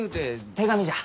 手紙じゃ。